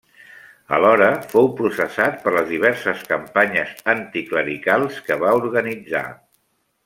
Alhora, fou processat per les diverses campanyes anticlericals que va organitzar.